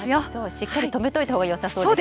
しっかり留めといたほうがよさそうですね。